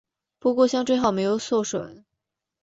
不过香椎号没有受损。